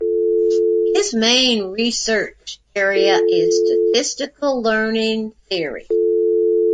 His main research area is statistical learning theory.